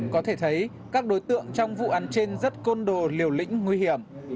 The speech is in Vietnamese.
có thể thấy các đối tượng trong vụ án trên rất côn đồ liều lĩnh nguy hiểm